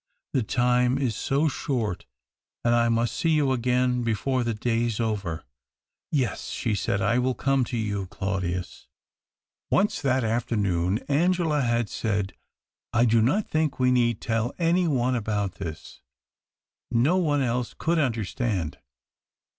The time is so short, and I must see you again before the day's over." " Yes," she said, " I will come to you, Claudius." , Once that afternoon Angela had said, " I do not think we need tell any one al:)out this. No one else could understand."